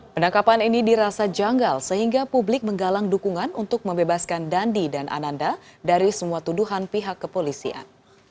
penangkapan ini dirasa janggal sehingga publik menggalang dukungan untuk membebaskan dandi dan ananda dari semua tuduhan pihak kepolisian